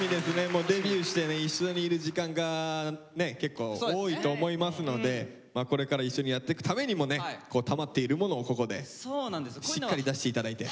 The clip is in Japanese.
もうデビューしてね一緒にいる時間が結構多いと思いますのでこれから一緒にやってくためにもねたまっているものをここでしっかり出して頂いて。